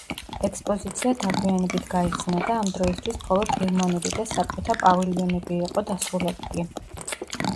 ექსპოზიცია დაგვიანებით გაიხსნა და ამ დროისთვის მხოლოდ გერმანული და საბჭოთა პავილიონები იყო დასრულებული.